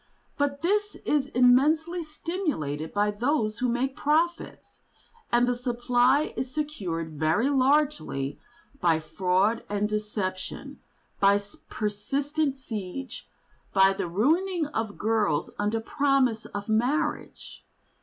But this is immensely stimulated by those who make profits, and the supply is secured very largely by fraud and deception, by persistent siege, by the ruining of girls under promise of marriage.